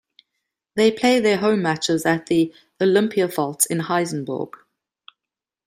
They play their home matches at the Olympiafältet in Helsingborg.